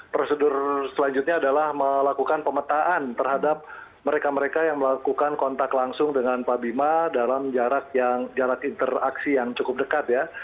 prosedur selanjutnya adalah melakukan pemetaan terhadap mereka mereka yang melakukan kontak langsung dengan pak bima dalam jarak interaksi yang cukup dekat ya